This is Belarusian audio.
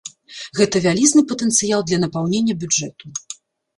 Гэта вялізны патэнцыял для напаўнення бюджэту.